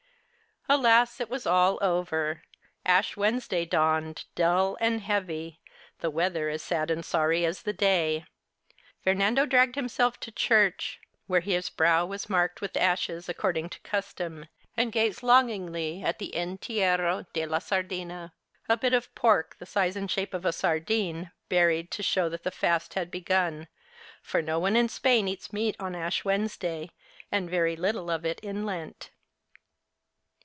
Alas, it was all over ! Ash Wednesday dawned, dull and heavy, the weather as sad and sorry as the day. Fernando dragged him self to church, where his brow was marked with ashes according to custom, and gazed longingly at the Entierro de la sardina, a bit of pork the size and shape of a sardine, buried to show that the fast had begun, for no one in Spain eats meat on Ash Wednesday, and very little of it in Lent.